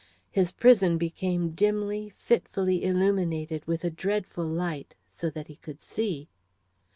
His prison became dimly, fitfully illuminated with a dreadful light so that he could see.